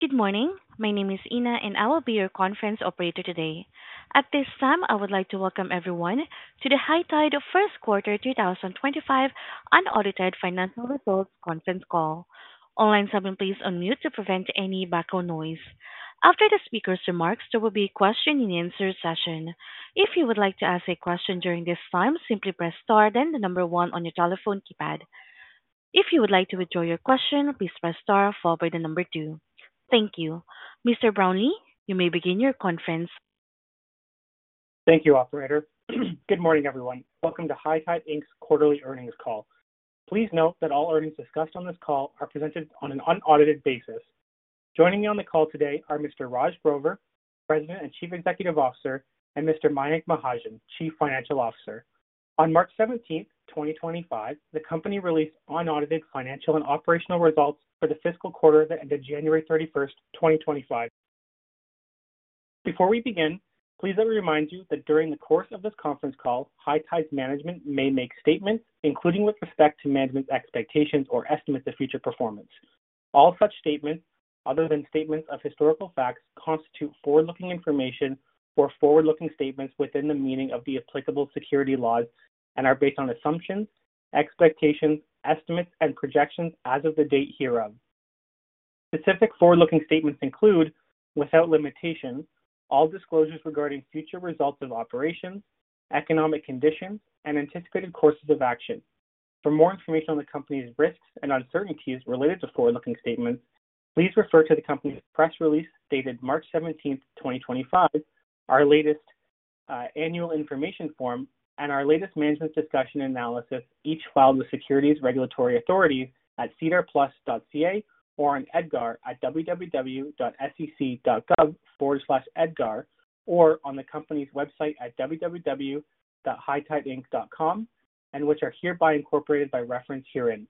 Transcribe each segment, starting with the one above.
Good morning. My name is Ina, and I will be your conference operator today. At this time, I would like to welcome everyone to the High Tide First Quarter 2025 Unaudited Financial Results Conference Call. Online, someone please unmute to prevent any background noise. After the speaker's remarks, there will be a question-and-answer session. If you would like to ask a question during this time, simply press star then the number one on your telephone keypad. If you would like to withdraw your question, please press star followed by the number two. Thank you. Mr. Brownlee, you may begin your conference. Thank you, Operator. Good morning, everyone. Welcome to High Tide's Quarterly Earnings Call. Please note that all earnings discussed on this call are presented on an unaudited basis. Joining me on the call today are Mr. Raj Grover, President and Chief Executive Officer, and Mr. Mayank Mahajan, Chief Financial Officer. On March 17, 2025, the company released unaudited financial and operational results for the fiscal quarter that ended January 31, 2025. Before we begin, please let me remind you that during the course of this conference call, High Tide's management may make statements, including with respect to management's expectations or estimates of future performance. All such statements, other than statements of historical facts, constitute forward-looking information or forward-looking statements within the meaning of the applicable security laws and are based on assumptions, expectations, estimates, and projections as of the date hereof. Specific forward-looking statements include, without limitations, all disclosures regarding future results of operations, economic conditions, and anticipated courses of action. For more information on the company's risks and uncertainties related to forward-looking statements, please refer to the company's press release dated March 17, 2025, our latest annual information form, and our latest management's discussion and analysis, each filed with Securities Regulatory Authority at sedarplus.ca or on EDGAR at www.sec.gov/edgar or on the company's website at www.hightideinc.com, and which are hereby incorporated by reference herein.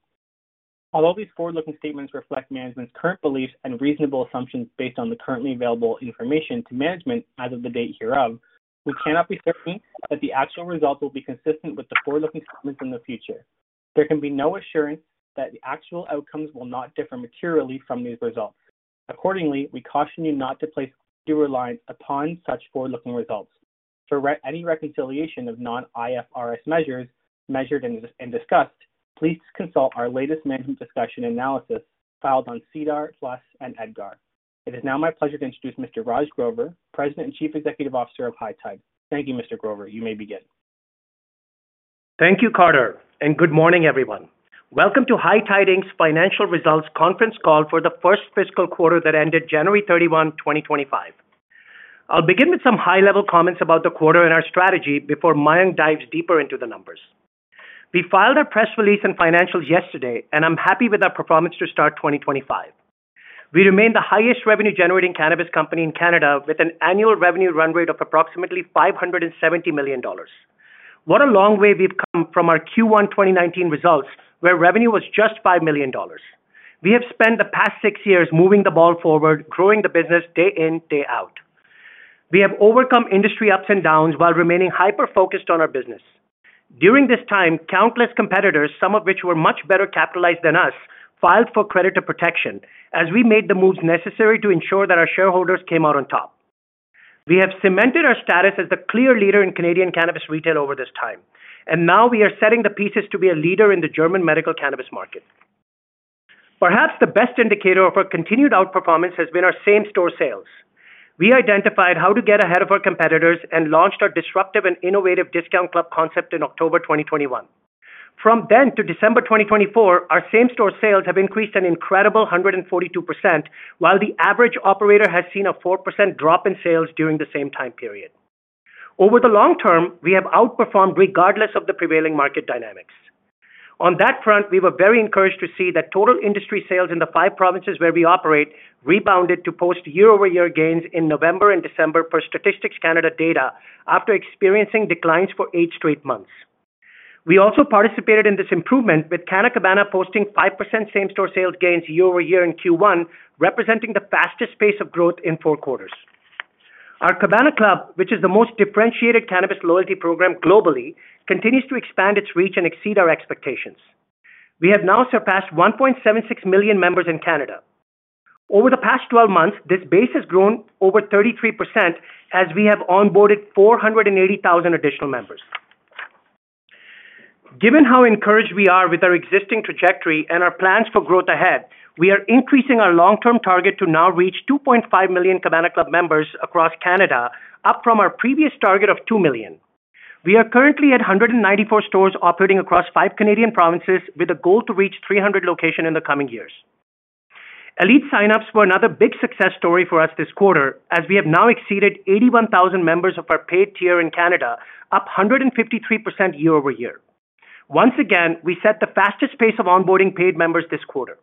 Although these forward-looking statements reflect management's current beliefs and reasonable assumptions based on the currently available information to management as of the date hereof, we cannot be certain that the actual results will be consistent with the forward-looking statements in the future. There can be no assurance that the actual outcomes will not differ materially from these results. Accordingly, we caution you not to place your reliance upon such forward-looking results. For any reconciliation of non-IFRS measures measured and discussed, please consult our latest management discussion analysis filed on SEDAR Plus and EDGAR. It is now my pleasure to introduce Mr. Raj Grover, President and Chief Executive Officer of High Tide. Thank you, Mr. Grover. You may begin. Thank you, Carter, and good morning, everyone. Welcome to High Tide's Financial Results Conference Call for the first fiscal quarter that ended January 31, 2025. I'll begin with some high-level comments about the quarter and our strategy before Mayank dives deeper into the numbers. We filed our press release and financials yesterday, and I'm happy with our performance to start 2025. We remain the highest revenue-generating cannabis company in Canada, with an annual revenue run rate of approximately 570 million dollars. What a long way we've come from our Q1 2019 results, where revenue was just 5 million dollars. We have spent the past six years moving the ball forward, growing the business day in, day out. We have overcome industry ups and downs while remaining hyper-focused on our business. During this time, countless competitors, some of which were much better capitalized than us, filed for creditor protection as we made the moves necessary to ensure that our shareholders came out on top. We have cemented our status as the clear leader in Canadian cannabis retail over this time, and now we are setting the pieces to be a leader in the German medical cannabis market. Perhaps the best indicator of our continued outperformance has been our same-store sales. We identified how to get ahead of our competitors and launched our disruptive and innovative discount club concept in October 2021. From then to December 2024, our same-store sales have increased an incredible 142%, while the average operator has seen a 4% drop in sales during the same time period. Over the long term, we have outperformed regardless of the prevailing market dynamics. On that front, we were very encouraged to see that total industry sales in the five provinces where we operate rebounded to post year-over-year gains in November and December per Statistics Canada data after experiencing declines for eight straight months. We also participated in this improvement, with Canna Cabana posting 5% same-store sales gains year-over-year in Q1, representing the fastest pace of growth in four quarters. Our Cabana Club, which is the most differentiated cannabis loyalty program globally, continues to expand its reach and exceed our expectations. We have now surpassed 1.76 million members in Canada. Over the past 12 months, this base has grown over 33% as we have onboarded 480,000 additional members. Given how encouraged we are with our existing trajectory and our plans for growth ahead, we are increasing our long-term target to now reach 2.5 million Cabana Club members across Canada, up from our previous target of 2 million. We are currently at 194 stores operating across five Canadian provinces, with a goal to reach 300 locations in the coming years. Elite sign-ups were another big success story for us this quarter, as we have now exceeded 81,000 members of our paid tier in Canada, up 153% year-over-year. Once again, we set the fastest pace of onboarding paid members this quarter.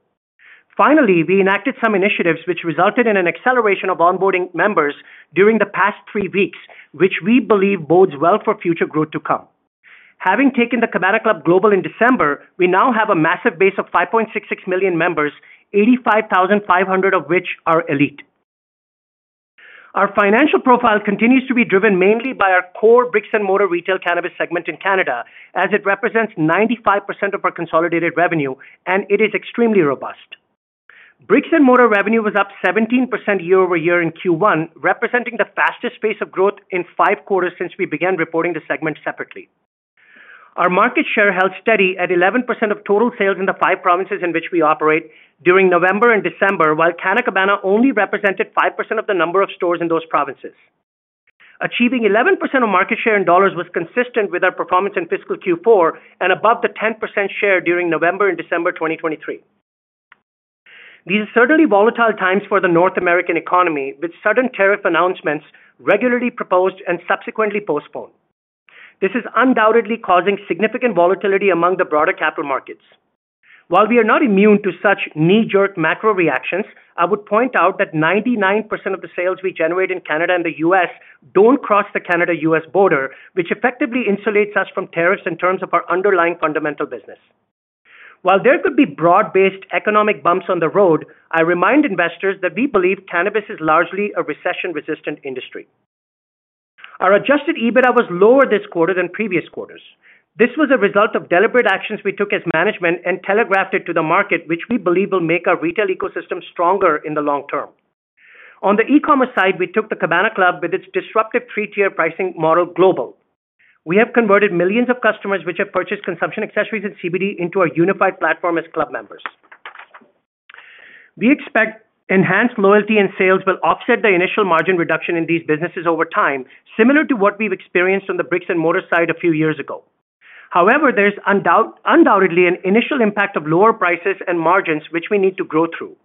Finally, we enacted some initiatives which resulted in an acceleration of onboarding members during the past three weeks, which we believe bodes well for future growth to come. Having taken the Cabana Club global in December, we now have a massive base of 5.66 million members, 85,500 of which are Elite. Our financial profile continues to be driven mainly by our core brick-and-mortar retail cannabis segment in Canada, as it represents 95% of our consolidated revenue, and it is extremely robust. Brick-and-mortar revenue was up 17% year-over-year in Q1, representing the fastest pace of growth in five quarters since we began reporting the segment separately. Our market share held steady at 11% of total sales in the five provinces in which we operate during November and December, while Canna Cabana only represented 5% of the number of stores in those provinces. Achieving 11% of market share in dollars was consistent with our performance in fiscal Q4 and above the 10% share during November and December 2023. These are certainly volatile times for the North American economy, with sudden tariff announcements regularly proposed and subsequently postponed. This is undoubtedly causing significant volatility among the broader capital markets. While we are not immune to such knee-jerk macro reactions, I would point out that 99% of the sales we generate in Canada and the U.S. do not cross the Canada-U.S. border, which effectively insulates us from tariffs in terms of our underlying fundamental business. While there could be broad-based economic bumps on the road, I remind investors that we believe cannabis is largely a recession-resistant industry. Our adjusted EBITDA was lower this quarter than previous quarters. This was a result of deliberate actions we took as management and telegraphed it to the market, which we believe will make our retail ecosystem stronger in the long term. On the e-commerce side, we took the Cabana Club with its disruptive three-tier pricing model global. We have converted millions of customers which have purchased consumption accessories and CBD into our unified platform as club members. We expect enhanced loyalty and sales will offset the initial margin reduction in these businesses over time, similar to what we've experienced on the brick-and-mortar side a few years ago. However, there is undoubtedly an initial impact of lower prices and margins which we need to grow through.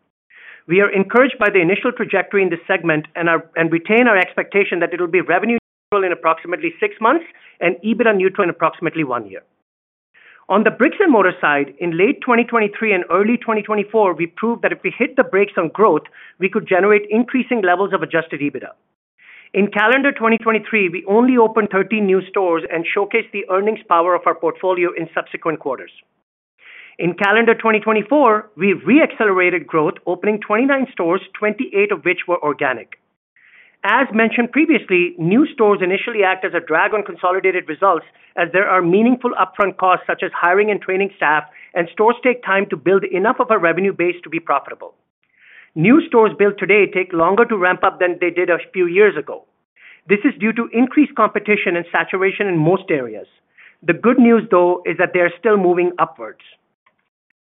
We are encouraged by the initial trajectory in this segment and retain our expectation that it will be revenue neutral in approximately six months and EBITDA neutral in approximately one year. On the brick-and-mortar side, in late 2023 and early 2024, we proved that if we hit the brakes on growth, we could generate increasing levels of adjusted EBITDA. In calendar 2023, we only opened 13 new stores and showcased the earnings power of our portfolio in subsequent quarters. In calendar 2024, we re-accelerated growth, opening 29 stores, 28 of which were organic. As mentioned previously, new stores initially act as a drag on consolidated results as there are meaningful upfront costs such as hiring and training staff, and stores take time to build enough of a revenue base to be profitable. New stores built today take longer to ramp up than they did a few years ago. This is due to increased competition and saturation in most areas. The good news, though, is that they are still moving upwards.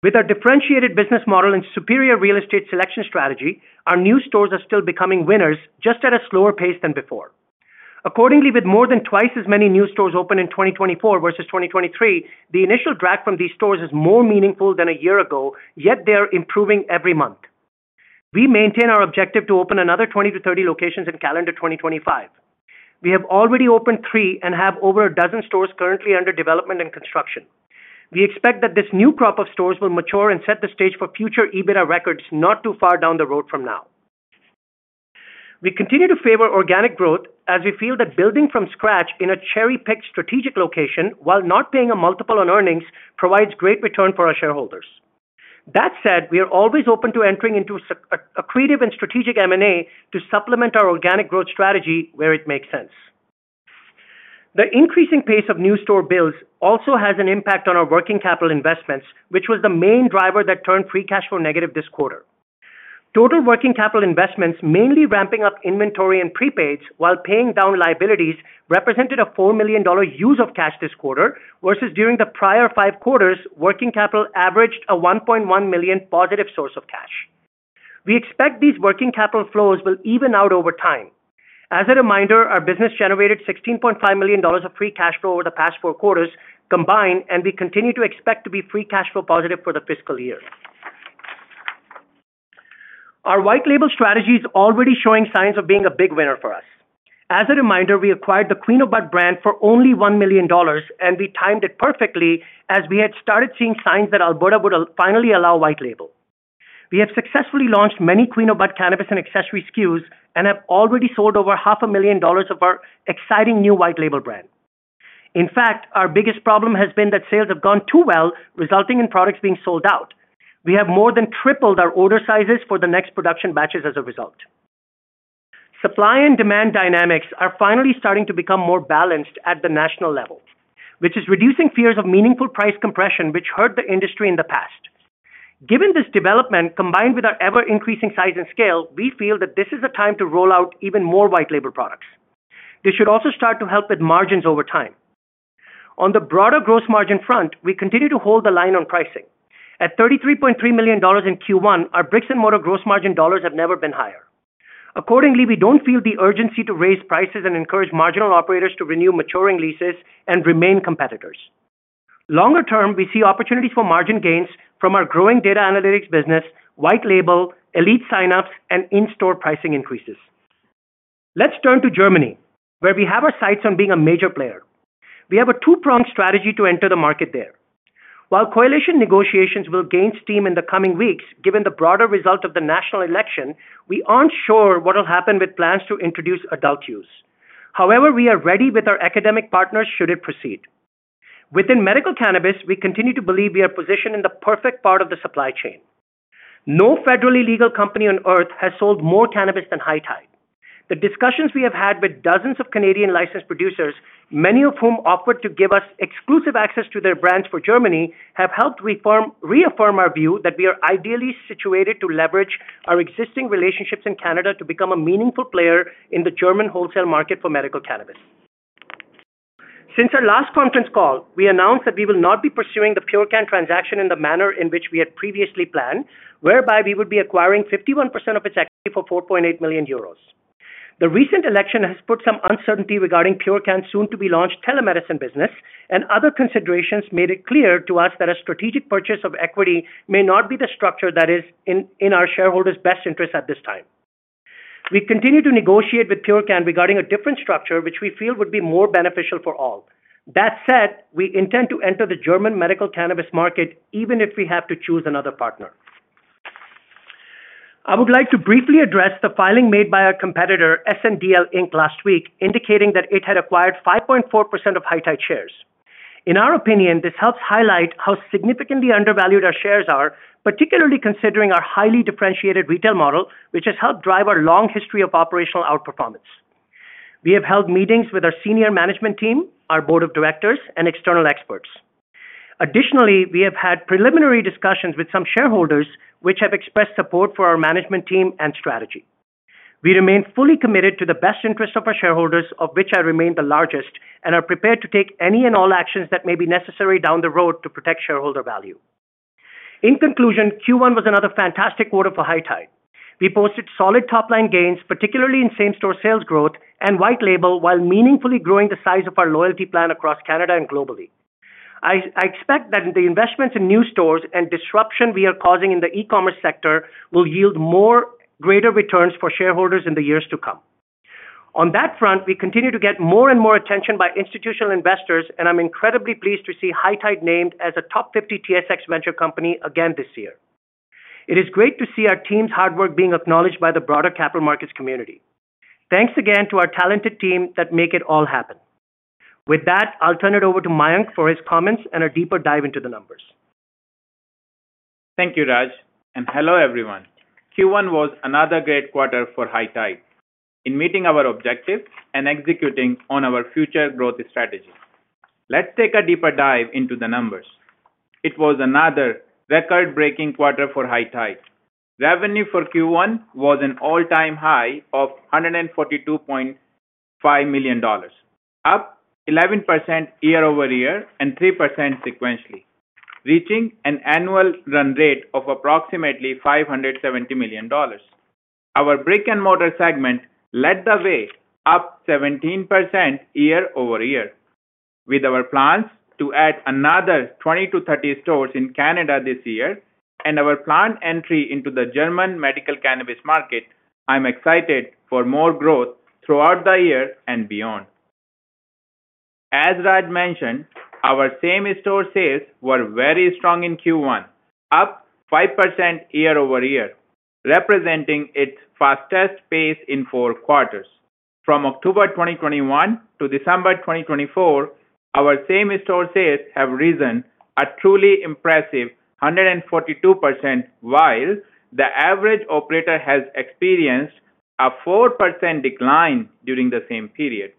With our differentiated business model and superior real estate selection strategy, our new stores are still becoming winners, just at a slower pace than before. Accordingly, with more than twice as many new stores open in 2024 versus 2023, the initial drag from these stores is more meaningful than a year ago, yet they are improving every month. We maintain our objective to open another 20-30 locations in calendar 2025. We have already opened three and have over a dozen stores currently under development and construction. We expect that this new crop of stores will mature and set the stage for future EBITDA records not too far down the road from now. We continue to favor organic growth as we feel that building from scratch in a cherry-picked strategic location while not paying a multiple on earnings provides great return for our shareholders. That said, we are always open to entering into accretive and strategic M&A to supplement our organic growth strategy where it makes sense. The increasing pace of new store builds also has an impact on our working capital investments, which was the main driver that turned free cash flow negative this quarter. Total working capital investments, mainly ramping up inventory and prepaids while paying down liabilities, represented a 4 million dollar use of cash this quarter versus during the prior five quarters, working capital averaged a 1.1 million positive source of cash. We expect these working capital flows will even out over time. As a reminder, our business generated 16.5 million dollars of free cash flow over the past four quarters combined, and we continue to expect to be free cash flow positive for the fiscal year. Our white-label strategy is already showing signs of being a big winner for us. As a reminder, we acquired the Queen of Bud brand for only 1 million dollars, and we timed it perfectly as we had started seeing signs that Alberta would finally allow white label. We have successfully launched many Queen of Bud cannabis and accessory SKUs and have already sold over 500,000 dollars of our exciting new white label brand. In fact, our biggest problem has been that sales have gone too well, resulting in products being sold out. We have more than tripled our order sizes for the next production batches as a result. Supply and demand dynamics are finally starting to become more balanced at the national level, which is reducing fears of meaningful price compression which hurt the industry in the past. Given this development, combined with our ever-increasing size and scale, we feel that this is a time to roll out even more white label products. This should also start to help with margins over time. On the broader gross margin front, we continue to hold the line on pricing. At 33.3 million dollars in Q1, our brick-and-mortar gross margin dollars have never been higher. Accordingly, we do not feel the urgency to raise prices and encourage marginal operators to renew maturing leases and remain competitors. Longer term, we see opportunities for margin gains from our growing data analytics business, white label, Elite sign-ups, and in-store pricing increases. Let's turn to Germany, where we have our sights on being a major player. We have a two-pronged strategy to enter the market there. While coalition negotiations will gain steam in the coming weeks, given the broader result of the national election, we are not sure what will happen with plans to introduce adult use. However, we are ready with our academic partners should it proceed. Within medical cannabis, we continue to believe we are positioned in the perfect part of the supply chain. No federally legal company on Earth has sold more cannabis than High Tide. The discussions we have had with dozens of Canadian licensed producers, many of whom offered to give us exclusive access to their brands for Germany, have helped reaffirm our view that we are ideally situated to leverage our existing relationships in Canada to become a meaningful player in the German wholesale market for medical cannabis. Since our last conference call, we announced that we will not be pursuing the Purcan transaction in the manner in which we had previously planned, whereby we would be acquiring 51% of its equity for 4.8 million euros. The recent election has put some uncertainty regarding Purcan's soon-to-be-launched telemedicine business, and other considerations made it clear to us that a strategic purchase of equity may not be the structure that is in our shareholders' best interest at this time. We continue to negotiate with Purcan regarding a different structure, which we feel would be more beneficial for all. That said, we intend to enter the German medical cannabis market even if we have to choose another partner. I would like to briefly address the filing made by our competitor, SNDL Inc., last week, indicating that it had acquired 5.4% of High Tide shares. In our opinion, this helps highlight how significantly undervalued our shares are, particularly considering our highly differentiated retail model, which has helped drive our long history of operational outperformance. We have held meetings with our senior management team, our board of directors, and external experts. Additionally, we have had preliminary discussions with some shareholders, which have expressed support for our management team and strategy. We remain fully committed to the best interest of our shareholders, of which I remain the largest, and are prepared to take any and all actions that may be necessary down the road to protect shareholder value. In conclusion, Q1 was another fantastic quarter for High Tide. We posted solid top-line gains, particularly in same-store sales growth and white label, while meaningfully growing the size of our loyalty plan across Canada and globally. I expect that the investments in new stores and disruption we are causing in the e-commerce sector will yield more greater returns for shareholders in the years to come. On that front, we continue to get more and more attention by institutional investors, and I'm incredibly pleased to see High Tide named as a top 50 TSX Venture company again this year. It is great to see our team's hard work being acknowledged by the broader capital markets community. Thanks again to our talented team that make it all happen. With that, I'll turn it over to Mayank for his comments and a deeper dive into the numbers. Thank you, Raj. And hello, everyone. Q1 was another great quarter for High Tide in meeting our objectives and executing on our future growth strategy. Let's take a deeper dive into the numbers. It was another record-breaking quarter for High Tide. Revenue for Q1 was an all-time high of 142.5 million dollars, up 11% year-over-year and 3% sequentially, reaching an annual run rate of approximately 570 million dollars. Our brick-and-mortar segment led the way, up 17% year-over-year. With our plans to add another 20-30 stores in Canada this year and our planned entry into the German medical cannabis market, I'm excited for more growth throughout the year and beyond. As Raj mentioned, our same-store sales were very strong in Q1, up 5% year-over-year, representing its fastest pace in four quarters. From October 2021 to December 2024, our same-store sales have risen a truly impressive 142%, while the average operator has experienced a 4% decline during the same period.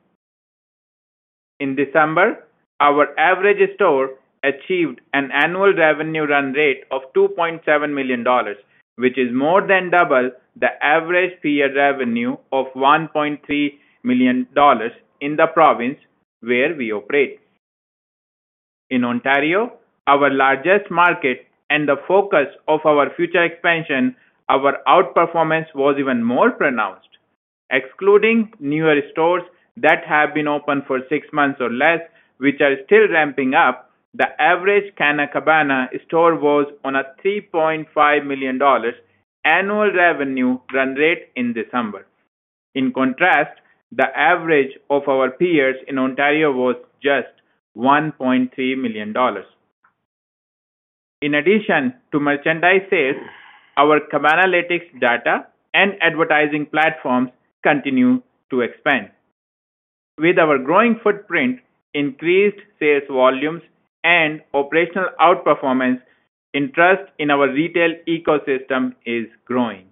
In December, our average store achieved an annual revenue run rate of 2.7 million dollars, which is more than double the average peer revenue of 1.3 million dollars in the province where we operate. In Ontario, our largest market and the focus of our future expansion, our outperformance was even more pronounced. Excluding newer stores that have been open for six months or less, which are still ramping up, the average Canna Cabana store was on a 3.5 million dollars annual revenue run rate in December. In contrast, the average of our peers in Ontario was just 1.3 million dollars. In addition to merchandise sales, our Cabana Analytics data and advertising platforms continue to expand. With our growing footprint, increased sales volumes, and operational outperformance, interest in our retail ecosystem is growing.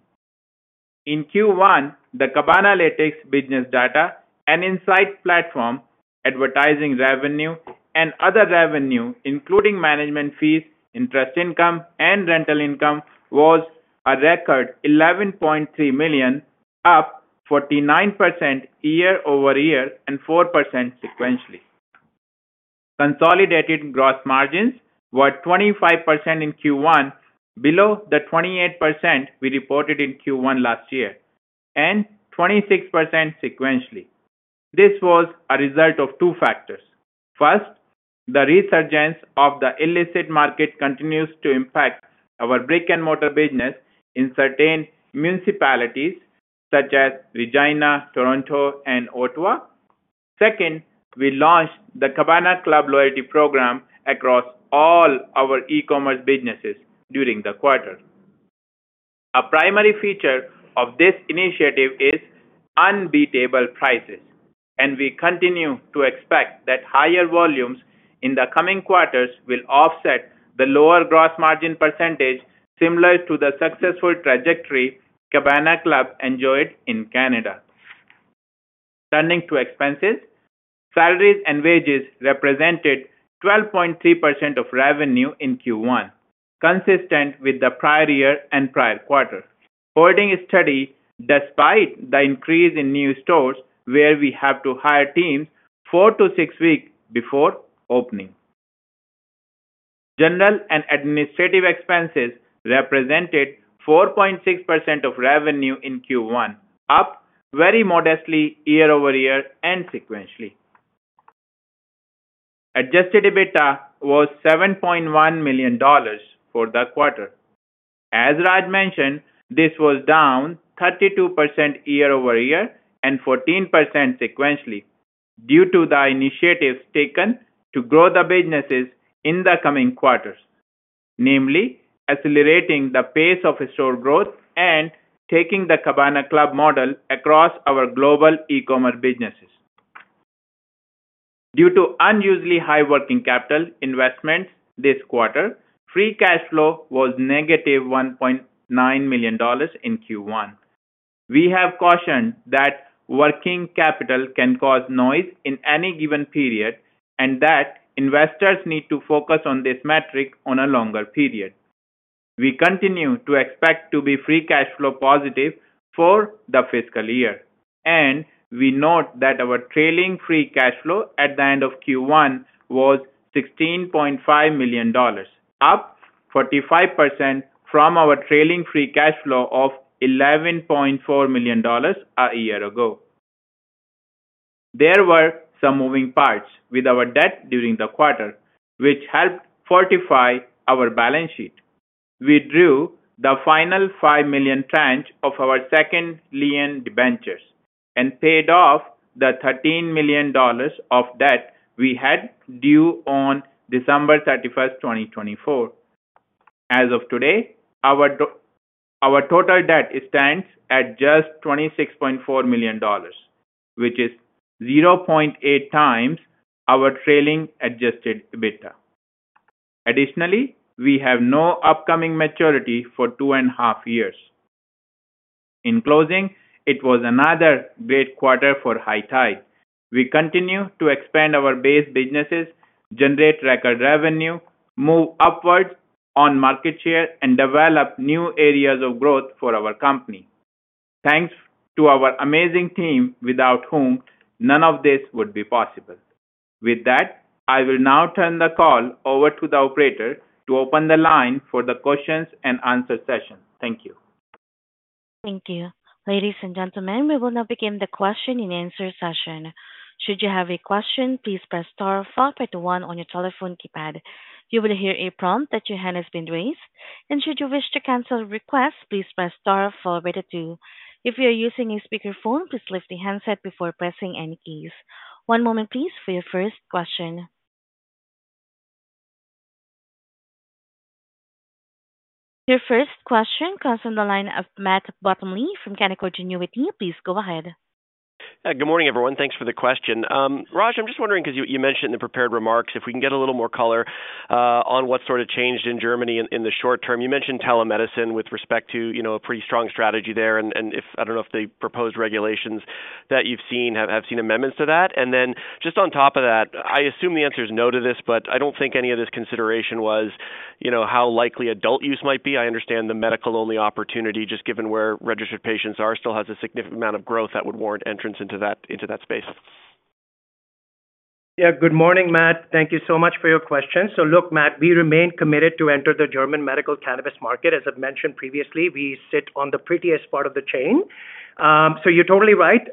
In Q1, the Cabana Analytics business data, an insight platform, advertising revenue, and other revenue, including management fees, interest income, and rental income, was a record 11.3 million, up 49% year-over-year and 4% sequentially. Consolidated gross margins were 25% in Q1, below the 28% we reported in Q1 last year, and 26% sequentially. This was a result of two factors. First, the resurgence of the illicit market continues to impact our brick-and-mortar business in certain municipalities such as Regina, Toronto, and Ottawa. Second, we launched the Cabana Club loyalty program across all our e-commerce businesses during the quarter. A primary feature of this initiative is unbeatable prices, and we continue to expect that higher volumes in the coming quarters will offset the lower gross margin percentage similar to the successful trajectory Cabana Club enjoyed in Canada. Turning to expenses, salaries and wages represented 12.3% of revenue in Q1, consistent with the prior year and prior quarter. According to study, despite the increase in new stores where we have to hire teams four to six weeks before opening, general and administrative expenses represented 4.6% of revenue in Q1, up very modestly year-over-year and sequentially. Adjusted EBITDA was 7.1 million dollars for the quarter. As Raj mentioned, this was down 32% year-over-year and 14% sequentially due to the initiatives taken to grow the businesses in the coming quarters, namely accelerating the pace of store growth and taking the Cabana Club model across our global e-commerce businesses. Due to unusually high working capital investments this quarter, free cash flow was negative 1.9 million dollars in Q1. We have cautioned that working capital can cause noise in any given period and that investors need to focus on this metric on a longer period. We continue to expect to be free cash flow positive for the fiscal year, and we note that our trailing free cash flow at the end of Q1 was 16.5 million dollars, up 45% from our trailing free cash flow of 11.4 million dollars a year ago. There were some moving parts with our debt during the quarter, which helped fortify our balance sheet. We drew the final 5 million tranche of our Second-Lion Ventures and paid off the 13 million dollars of debt we had due on December 31, 2024. As of today, our total debt stands at just 26.4 million dollars, which is 0.8 times our trailing adjusted EBITDA. Additionally, we have no upcoming maturity for two and a half years. In closing, it was another great quarter for High Tide. We continue to expand our base businesses, generate record revenue, move upwards on market share, and develop new areas of growth for our company. Thanks to our amazing team, without whom none of this would be possible. With that, I will now turn the call over to the operator to open the line for the question and answer session. Thank you. Thank you. Ladies and gentlemen, we will now begin the question and answer session. Should you have a question, please press star followed by the one on your telephone keypad. You will hear a prompt that your hand has been raised. Should you wish to cancel a request, please press star followed by the two. If you are using a speakerphone, please lift the handset before pressing any keys. One moment, please, for your first question. Your first question comes from the line of Matt Bottomley from Canaccord Genuity. Please go ahead. Yeah, good morning, everyone. Thanks for the question. Raj, I'm just wondering, because you mentioned in the prepared remarks, if we can get a little more color on what sort of changed in Germany in the short term. You mentioned telemedicine with respect to a pretty strong strategy there. I don't know if the proposed regulations that you've seen have seen amendments to that. Just on top of that, I assume the answer is no to this, but I do not think any of this consideration was how likely adult use might be. I understand the medical-only opportunity, just given where registered patients are, still has a significant amount of growth that would warrant entrance into that space. Yeah, good morning, Matt. Thank you so much for your question. Look, Matt, we remain committed to enter the German medical cannabis market. As I have mentioned previously, we sit on the prettiest part of the chain. You are totally right.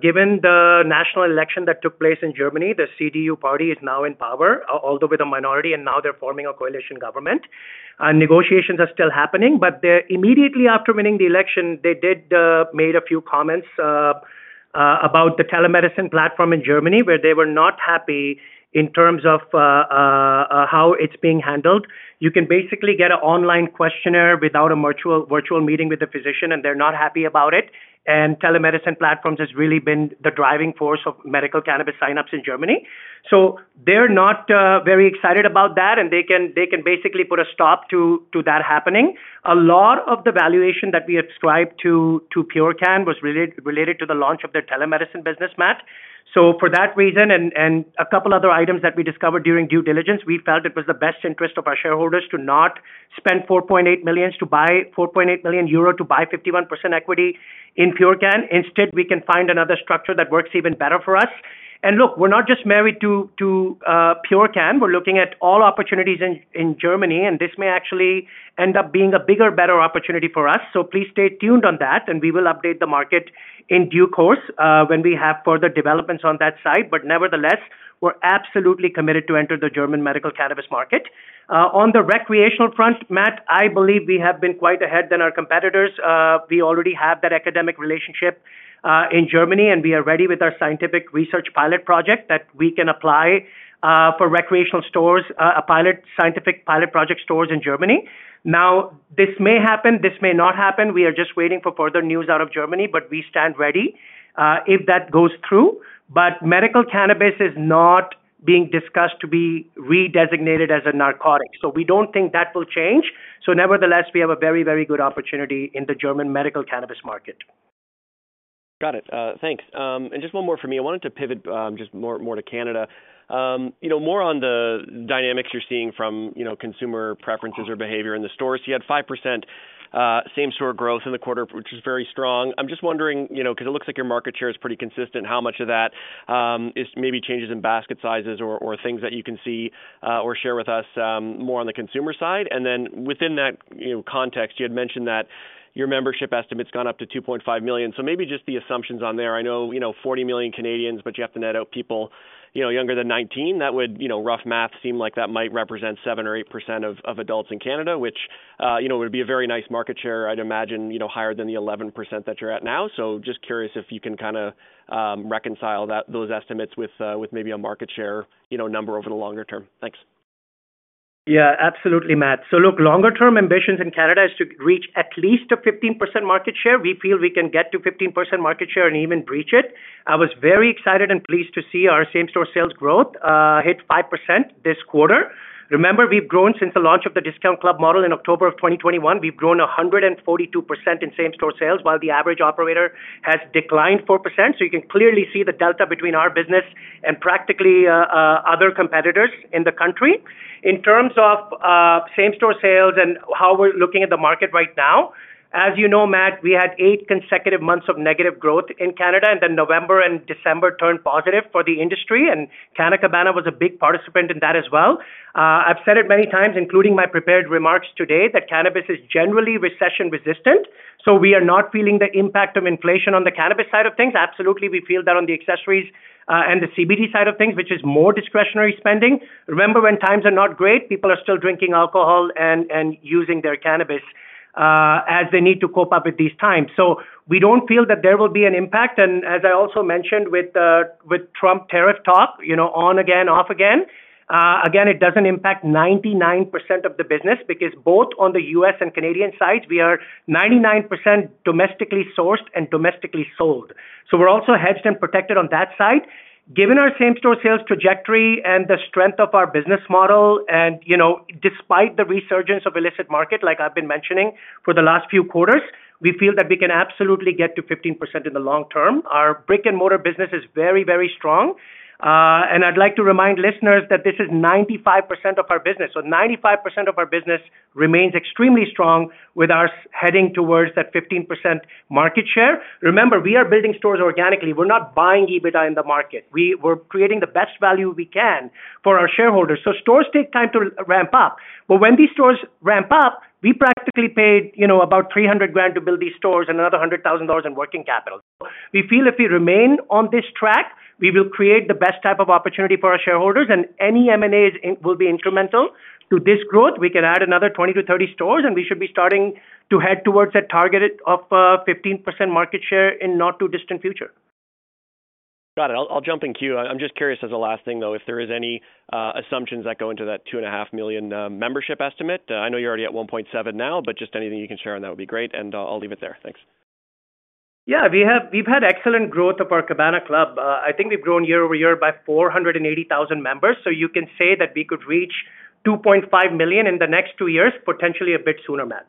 Given the national election that took place in Germany, the CDU party is now in power, although with a minority, and now they are forming a coalition government. Negotiations are still happening, but immediately after winning the election, they did make a few comments about the telemedicine platform in Germany, where they were not happy in terms of how it's being handled. You can basically get an online questionnaire without a virtual meeting with a physician, and they're not happy about it. Telemedicine platforms have really been the driving force of medical cannabis signups in Germany. They are not very excited about that, and they can basically put a stop to that happening. A lot of the valuation that we ascribed to Purcan was related to the launch of their telemedicine business, Matt. For that reason and a couple of other items that we discovered during due diligence, we felt it was the best interest of our shareholders to not spend 4.8 million to buy 51% equity in Purcan. Instead, we can find another structure that works even better for us. Look, we're not just married to Purcan. We're looking at all opportunities in Germany, and this may actually end up being a bigger, better opportunity for us. Please stay tuned on that, and we will update the market in due course when we have further developments on that side. Nevertheless, we're absolutely committed to enter the German medical cannabis market. On the recreational front, Matt, I believe we have been quite ahead than our competitors. We already have that academic relationship in Germany, and we are ready with our scientific research pilot project that we can apply for recreational stores, a scientific pilot project stores in Germany. This may happen. This may not happen. We are just waiting for further news out of Germany, but we stand ready if that goes through. Medical cannabis is not being discussed to be redesignated as a narcotic. We do not think that will change. Nevertheless, we have a very, very good opportunity in the German medical cannabis market. Got it. Thanks. Just one more for me. I wanted to pivot just more to Canada. More on the dynamics you are seeing from consumer preferences or behavior in the stores. You had 5% same-store growth in the quarter, which is very strong. I am just wondering, because it looks like your market share is pretty consistent, how much of that is maybe changes in basket sizes or things that you can see or share with us more on the consumer side. Within that context, you had mentioned that your membership estimate has gone up to 2.5 million. Maybe just the assumptions on there. I know 40 million Canadians, but you have to net out people younger than 19. That would, rough math, seem like that might represent 7% or 8% of adults in Canada, which would be a very nice market share, I'd imagine, higher than the 11% that you're at now. Just curious if you can kind of reconcile those estimates with maybe a market share number over the longer term. Thanks. Yeah, absolutely, Matt. Longer-term ambitions in Canada is to reach at least a 15% market share. We feel we can get to 15% market share and even breach it. I was very excited and pleased to see our same-store sales growth hit 5% this quarter. Remember, we've grown since the launch of the Discount Club model in October of 2021. We've grown 142% in same-store sales, while the average operator has declined 4%. You can clearly see the delta between our business and practically other competitors in the country. In terms of same-store sales and how we're looking at the market right now, as you know, Matt, we had eight consecutive months of negative growth in Canada, and then November and December turned positive for the industry. Canna Cabana was a big participant in that as well. I've said it many times, including my prepared remarks today, that cannabis is generally recession-resistant. We are not feeling the impact of inflation on the cannabis side of things. Absolutely, we feel that on the accessories and the CBD side of things, which is more discretionary spending. Remember, when times are not great, people are still drinking alcohol and using their cannabis as they need to cope up with these times. We don't feel that there will be an impact. As I also mentioned with Trump tariff talk, on again, off again, it does not impact 99% of the business because both on the U.S. and Canadian sides, we are 99% domestically sourced and domestically sold. We are also hedged and protected on that side. Given our same-store sales trajectory and the strength of our business model, and despite the resurgence of illicit market, like I have been mentioning for the last few quarters, we feel that we can absolutely get to 15% in the long term. Our brick-and-mortar business is very, very strong. I would like to remind listeners that this is 95% of our business. So 95% of our business remains extremely strong with us heading towards that 15% market share. Remember, we are building stores organically. We are not buying EBITDA in the market. We are creating the best value we can for our shareholders. Stores take time to ramp up. When these stores ramp up, we practically paid about 300,000 to build these stores and another 100,000 dollars in working capital. We feel if we remain on this track, we will create the best type of opportunity for our shareholders, and any M&As will be instrumental to this growth. We can add another 20-30 stores, and we should be starting to head towards that target of 15% market share in not too distant future. Got it. I'll jump in queue. I'm just curious, as a last thing, though, if there are any assumptions that go into that 2.5 million membership estimate. I know you're already at 1.7 now, but just anything you can share on that would be great, and I'll leave it there. Thanks. Yeah, we've had excellent growth of our Cabana Club. I think we've grown year over year by 480,000 members. You can say that we could reach 2.5 million in the next two years, potentially a bit sooner, Matt.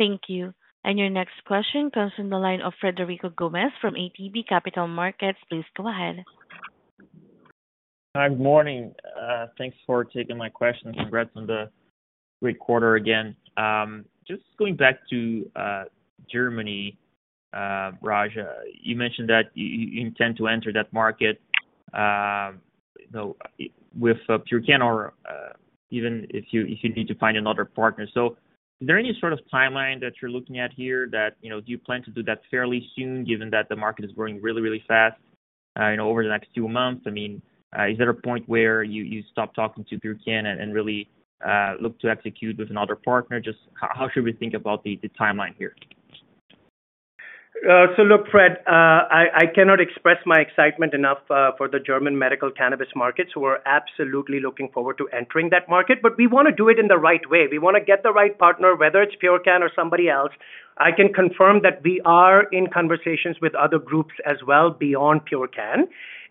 Thank you. Your next question comes from the line of Federico Gomez from ATB Capital Markets. Please go ahead. Hi, good morning. Thanks for taking my question. Congrats on the great quarter again. Just going back to Germany, Raj, you mentioned that you intend to enter that market with Purcan or even if you need to find another partner. Is there any sort of timeline that you're looking at here that you plan to do that fairly soon, given that the market is growing really, really fast over the next few months? I mean, is there a point where you stop talking to Purcan and really look to execute with another partner? Just how should we think about the timeline here? Look, Fred, I cannot express my excitement enough for the German medical cannabis market. We are absolutely looking forward to entering that market, but we want to do it in the right way. We want to get the right partner, whether it is Purcan or somebody else. I can confirm that we are in conversations with other groups as well beyond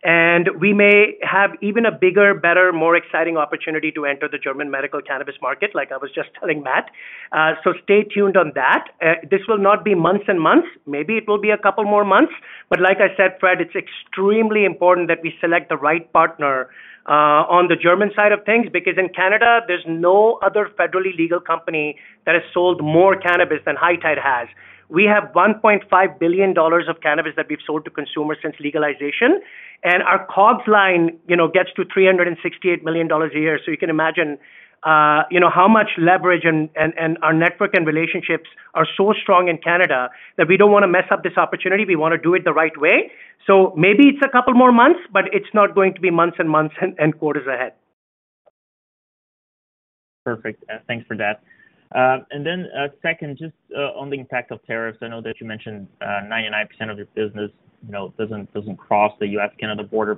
Purcan. We may have even a bigger, better, more exciting opportunity to enter the German medical cannabis market, like I was just telling Matt. Stay tuned on that. This will not be months and months. Maybe it will be a couple more months. Like I said, Fred, it's extremely important that we select the right partner on the German side of things because in Canada, there's no other federally legal company that has sold more cannabis than High Tide has. We have 1.5 billion dollars of cannabis that we've sold to consumers since legalization. And our COGS line gets to 368 million dollars a year. You can imagine how much leverage and our network and relationships are so strong in Canada that we don't want to mess up this opportunity. We want to do it the right way. Maybe it's a couple more months, but it's not going to be months and months and quarters ahead. Perfect. Thanks for that. Second, just on the impact of tariffs, I know that you mentioned 99% of your business doesn't cross the U.S.-Canada border.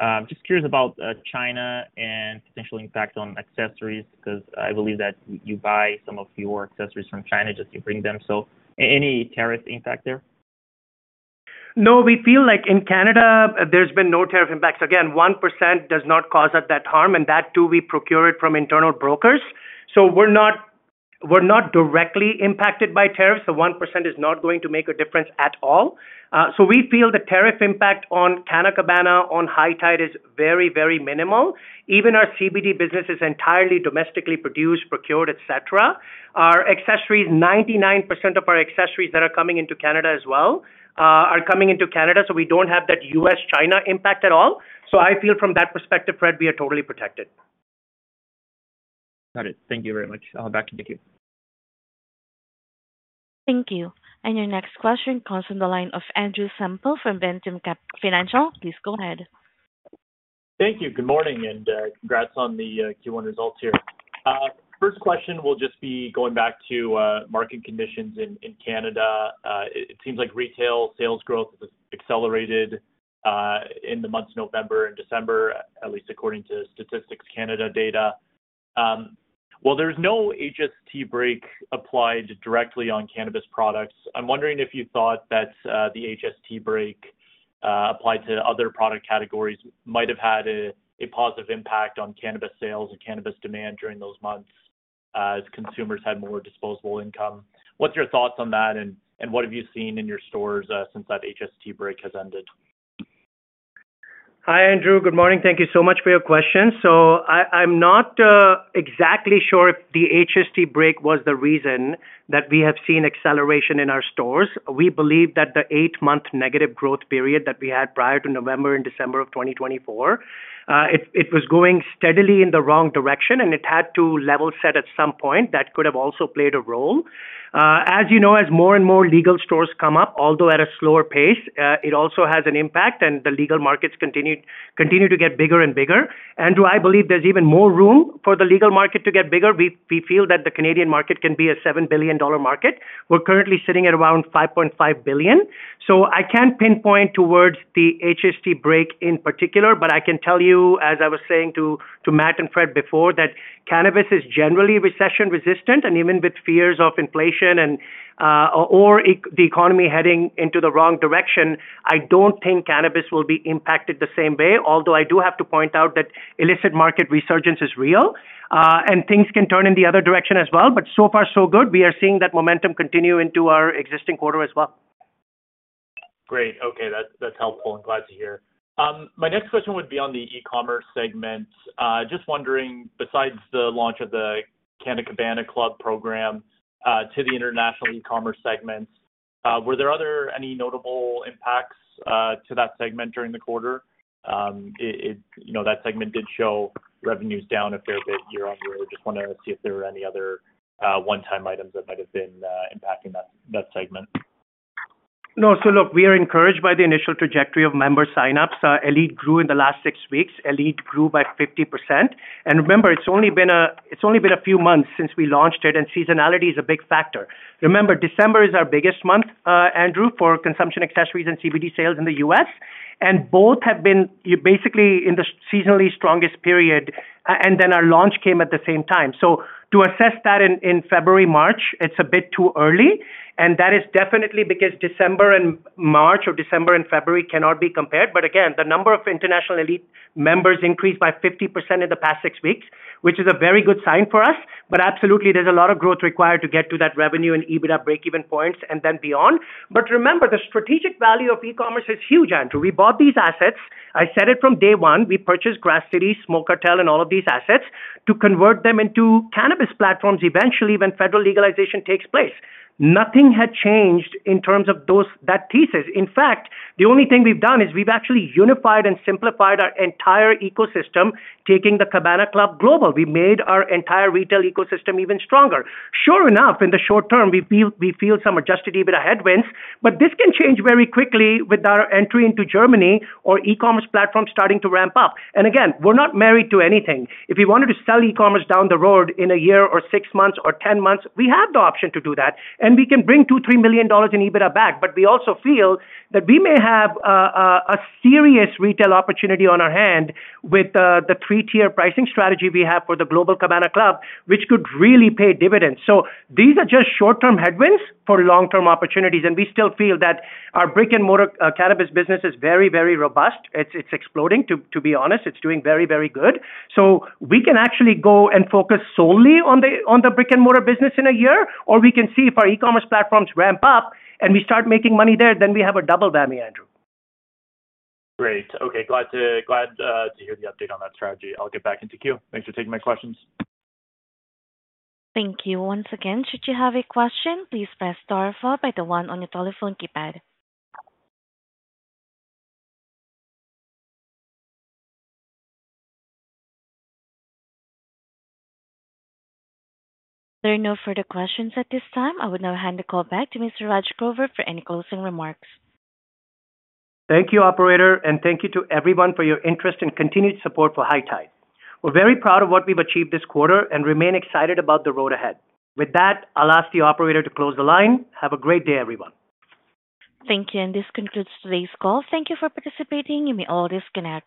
I'm just curious about China and potential impact on accessories because I believe that you buy some of your accessories from China just to bring them. Any tariff impact there? No, we feel like in Canada, there's been no tariff impacts. Again, 1% does not cause us that harm. That too, we procure it from internal brokers. We're not directly impacted by tariffs. 1% is not going to make a difference at all. We feel the tariff impact on Canna Cabana, on High Tide is very, very minimal. Even our CBD business is entirely domestically produced, procured, etc. Our accessories, 99% of our accessories that are coming into Canada as well are coming into Canada. We don't have that U.S.-China impact at all. I feel from that perspective, Fred, we are totally protected. Got it. Thank you very much. I'll back into queue. Thank you. Your next question comes from the line of Andrew Semple from Vantum Financial. Please go ahead. Thank you. Good morning and congrats on the Q1 results here. First question will just be going back to market conditions in Canada. It seems like retail sales growth has accelerated in the months of November and December, at least according to Statistics Canada data. There is no HST break applied directly on cannabis products. I am wondering if you thought that the HST break applied to other product categories might have had a positive impact on cannabis sales and cannabis demand during those months as consumers had more disposable income. What are your thoughts on that, and what have you seen in your stores since that HST break has ended? Hi, Andrew. Good morning. Thank you so much for your question. I'm not exactly sure if the HST break was the reason that we have seen acceleration in our stores. We believe that the eight-month negative growth period that we had prior to November and December of 2024, it was going steadily in the wrong direction, and it had to level set at some point. That could have also played a role. As you know, as more and more legal stores come up, although at a slower pace, it also has an impact, and the legal markets continue to get bigger and bigger. Andrew, I believe there's even more room for the legal market to get bigger. We feel that the Canadian market can be a 7 billion dollar market. We're currently sitting at around 5.5 billion. I can't pinpoint towards the HST break in particular, but I can tell you, as I was saying to Matt and Fred before, that cannabis is generally recession-resistant. Even with fears of inflation or the economy heading into the wrong direction, I don't think cannabis will be impacted the same way. Although I do have to point out that illicit market resurgence is real, and things can turn in the other direction as well. So far, so good. We are seeing that momentum continue into our existing quarter as well. Great. Okay. That's helpful and glad to hear. My next question would be on the e-commerce segment. Just wondering, besides the launch of the Cabana Club program to the international e-commerce segments, were there any notable impacts to that segment during the quarter? That segment did show revenues down a fair bit year on year. Just want to see if there were any other one-time items that might have been impacting that segment. No, look, we are encouraged by the initial trajectory of member sign-ups. Elite grew in the last six weeks. Elite grew by 50%. And remember, it's only been a few months since we launched it, and seasonality is a big factor. Remember, December is our biggest month, Andrew, for consumption accessories and CBD sales in the U.S. Both have been basically in the seasonally strongest period, and our launch came at the same time. To assess that in February, March, it's a bit too early. That is definitely because December and March or December and February cannot be compared. Again, the number of international Elite members increased by 50% in the past six weeks, which is a very good sign for us. Absolutely, there's a lot of growth required to get to that revenue and EBITDA break-even points and then beyond. Remember, the strategic value of e-commerce is huge, Andrew. We bought these assets. I said it from day one. We purchased Grass City, Smoke Cartel, and all of these assets to convert them into cannabis platforms eventually when federal legalization takes place. Nothing had changed in terms of that thesis. In fact, the only thing we've done is we've actually unified and simplified our entire ecosystem, taking the Cabana Club global. We made our entire retail ecosystem even stronger. Sure enough, in the short term, we feel some adjusted EBITDA headwinds, but this can change very quickly with our entry into Germany or e-commerce platforms starting to ramp up. Again, we're not married to anything. If we wanted to sell e-commerce down the road in a year or six months or ten months, we have the option to do that. We can bring 2 million-3 million dollars in EBITDA back. We also feel that we may have a serious retail opportunity on our hand with the three-tier pricing strategy we have for the Global Cabana Club, which could really pay dividends. These are just short-term headwinds for long-term opportunities. We still feel that our brick-and-mortar cannabis business is very, very robust. It's exploding, to be honest. It's doing very, very good. We can actually go and focus solely on the brick-and-mortar business in a year, or we can see if our e-commerce platforms ramp up and we start making money there, then we have a double whammy, Andrew. Great. Okay. Glad to hear the update on that strategy. I'll get back into queue. Thanks for taking my questions. Thank you. Once again, should you have a question, please press star 4 by the one on your telephone keypad. There are no further questions at this time. I will now hand the call back to Mr. Raj Grover for any closing remarks. Thank you, Operator, and thank you to everyone for your interest and continued support for High Tide. We're very proud of what we've achieved this quarter and remain excited about the road ahead. With that, I'll ask the Operator to close the line. Have a great day, everyone. Thank you. This concludes today's call. Thank you for participating. You may all disconnect.